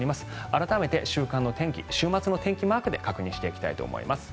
改めて週間の天気、週末の天気マークで確認していきたいと思います。